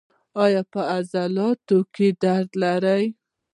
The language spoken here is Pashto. ایا په عضلاتو کې درد لرئ؟